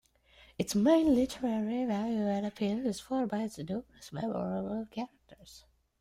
Its main literary value and appeal is formed by its numerous memorable characters.